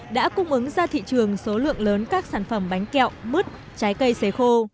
đã cung ứng ra thị trường số lượng lớn các sản phẩm bánh kẹo mứt trái cây xế khô